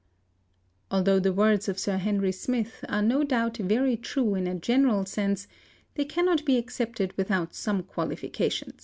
Although the words of Sir Henry Smith are no doubt very true ina _ general sense they cannot be accepted without some qualification.